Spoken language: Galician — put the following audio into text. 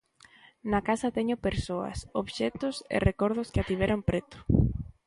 Na casa teño persoas, obxectos e recordos que a tiveron preto.